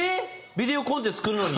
ビデオコンテ作るのに？